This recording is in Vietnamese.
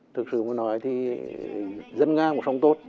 thực sự mà nói thì dân nga cũng sống tốt